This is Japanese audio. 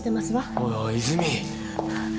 おいおい泉。